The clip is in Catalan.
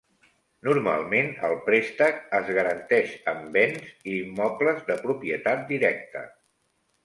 Normalment el préstec es garanteix amb béns i immobles de propietat directa.